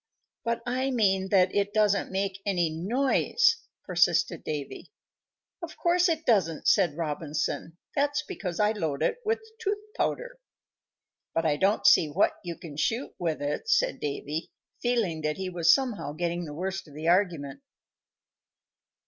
"But I mean that it doesn't make any noise," persisted Davy. "Of course it doesn't," said Robinson. "That's because I load it with tooth powder." "But I don't see what you can shoot with it," said Davy, feeling that he was somehow getting the worst of the argument.